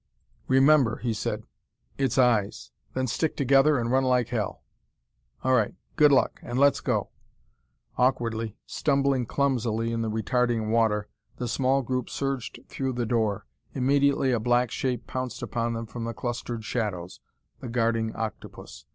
"Remember," he said, " its eyes. Then stick together and run like hell. All right good luck and let's go!" Awkwardly, stumbling clumsily in the retarding water, the small group surged through the door. Immediately a black shape pounced upon them from the clustered shadows the guarding octopus.